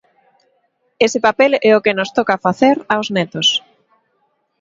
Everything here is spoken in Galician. Ese papel é o que nos toca facer aos netos.